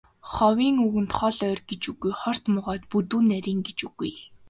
Ховын үгэнд хол ойр гэж үгүй, хорт могойд бүдүүн нарийн гэж үгүй.